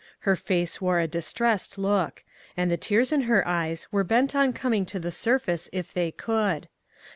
Her face wore a distressed look, and the tears in her eyes were bent on coming to the surface if they could.